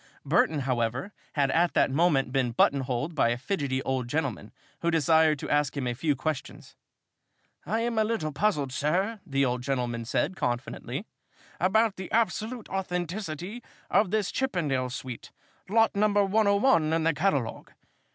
Burton, however, had at that moment been button holed by a fidgety old gentleman who desired to ask him a few questions. "I am a little puzzled, sir," the old gentleman said, confidentially, "about the absolute authenticity of this chippendale suite lot number 101 in the catalogue.